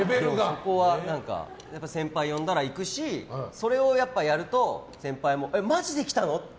そこは先輩に呼ばれたら行くしそれをやると先輩もマジで来たの！って。